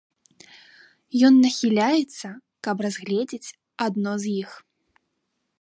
Ён нахіляецца, каб разгледзець адно з іх.